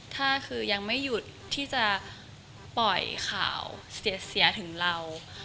ถ้าคือยังไม่หยุดที่จะปล่อยข่าวเสียถึงเรา